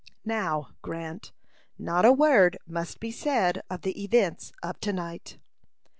"Now, Grant, not a word must be said of the events of to night."